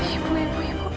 ibu ibu ibu